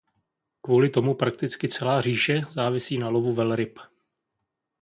Kvůli tomu prakticky celá říše závisí na lovu velryb.